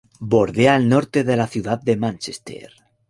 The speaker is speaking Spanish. Bordea el norte de la ciudad de Mánchester.